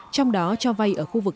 trong đó cho vay ở khu vực